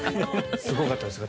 すごかったですか？